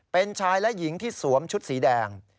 เป็นชายและหญิงที่สวมชุดสีแดง